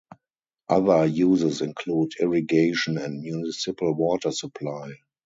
Other uses include irrigation and municipal water supply.